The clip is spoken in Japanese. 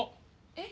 えっ？